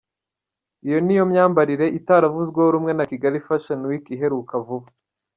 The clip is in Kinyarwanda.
Iyi niyo myambarire itaravuzweho rumwe muri Kigali Fashion Week iheruka kuba.